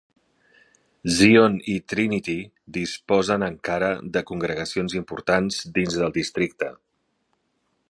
Zion i Trinity disposen encara de congregacions importants dins del districte.